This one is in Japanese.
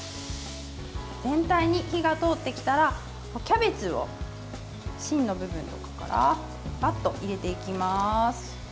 全体に火が通ってきたらキャベツを芯の部分からばっと入れていきます。